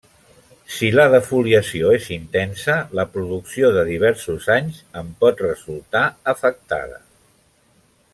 Si la defoliació és intensa, la producció de diversos anys en pot resultar afectada.